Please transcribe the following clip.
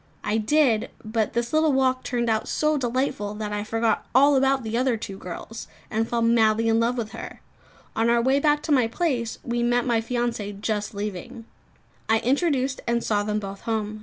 I did; but this little walk turned out so delightful, that I forgot all about the other two girls, and fell madly in love with her! On our way back to my place, we met my fiancée just leaving. I introduced and saw them both home.